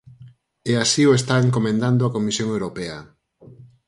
E así o está encomendando a Comisión Europea.